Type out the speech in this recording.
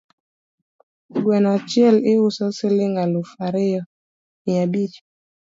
Gweno achiel iuso siling alufu ariyo mia bich